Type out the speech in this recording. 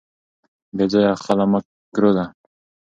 بې ځایه خلع مکروه ده.